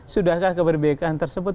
sudahkah keberbikakan tersebut